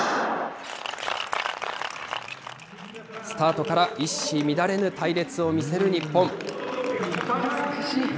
スタートから一糸乱れぬ隊列を見せる日本。